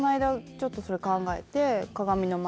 ちょっとそれ考えてまあ